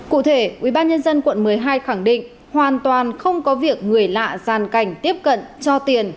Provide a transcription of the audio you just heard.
cụ thể ubnd quận một mươi hai khẳng định hoàn toàn không có việc người lạ gian cảnh tiếp cận cho tiền